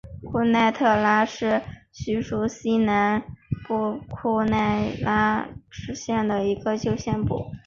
库奈特拉是叙利亚西南部库奈特拉省的旧首都。